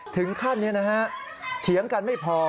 ถึงขั้นนี้นะฮะเถียงกันไม่พอ